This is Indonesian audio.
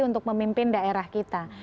untuk memimpin daerah kita